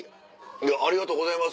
ありがとうございます。